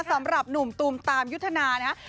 สำหรับหนุ่มตูมตามยุทธนานะฮะ